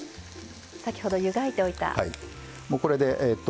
先ほど湯がいておいた。